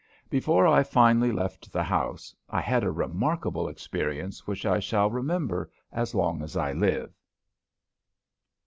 Before I finally left the house I had a remarkable experience which I shall remember as long as I live.